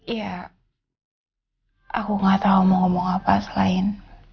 iya aku gak tahu mau ngomong apa selain